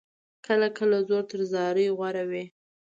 کله کله زور تر زارۍ غوره وي.